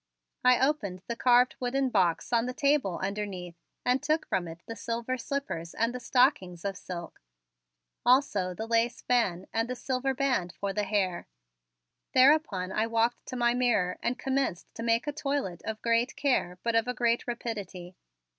I opened the carved wooden box on the table underneath and took from it the silver slippers and the stockings of silk, also the lace fan and the silver band for the hair. Thereupon I walked to my mirror and commenced to make a toilet of great care but of a great rapidity.